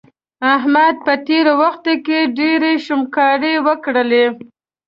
احمد په تېر وخت کې ډېرې شوکماری وکړلې.